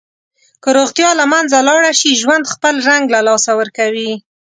که روغتیا له منځه لاړه شي، ژوند خپل رنګ له لاسه ورکوي.